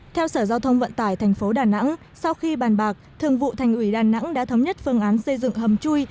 theo sở giao thông vận tải tp đà nẵng sau khi bàn bạc thường vụ thành ủy đà nẵng đã thống nhất phương án xây dựng hầm chui